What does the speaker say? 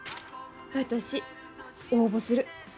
私応募する。